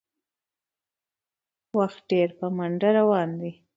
وخت ډېر په منډه روان دی